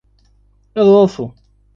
Adolfo